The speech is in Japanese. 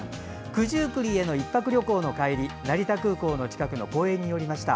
九十九里への１泊旅行の帰り成田空港の近くの公園に寄りました。